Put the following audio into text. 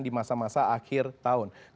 di masa masa akhir tahun